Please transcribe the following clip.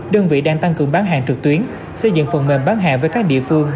đơn vị đang tăng cường bán hàng trực tuyến xây dựng phần mềm bán hàng với các địa phương